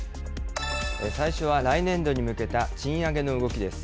最初は来年度に向けた賃上げの動きです。